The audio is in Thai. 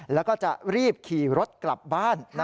แล้วก็จะรีบขี่รถกลับบ้าน